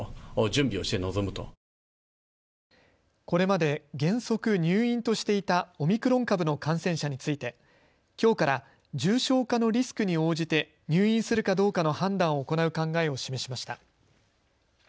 これまで原則、入院としていたオミクロン株の感染者についてきょうから重症化のリスクに応じて入院するかどうかの判断を行う考えを示しました。